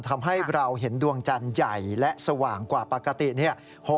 ทำให้เราเห็นดวงจันทร์ใหญ่และสว่างกว่าปกติเนี่ย